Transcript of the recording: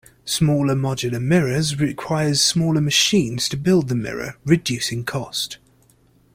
Smaller modular mirrors requires smaller machines to build the mirror, reducing cost.